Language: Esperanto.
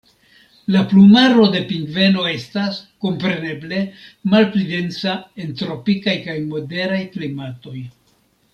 La plumaro de pingveno estas, kompreneble, malpli densa en tropikaj kaj moderaj klimatoj.